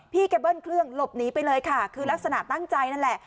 แกเบิ้ลเครื่องหลบหนีไปเลยค่ะคือลักษณะตั้งใจนั่นแหละ